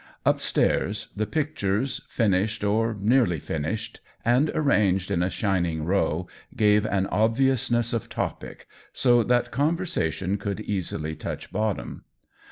Upstairs the pictures, finished or nearly finished, and arranged in a shining row, gave an obvious ness of topic, so that conversation could easily touch bottom.